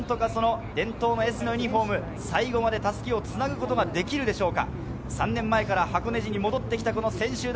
何とか伝統のＳのユニホーム、最後まで襷をつなぐことができるでしょうか。